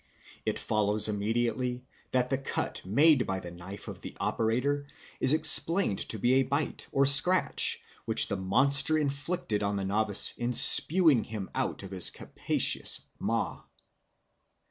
It follows immediately, and the cut made by the knife of the operator is explained to be a bite or scratch which the monster inflicted on the novice in spewing him out of his capacious maw.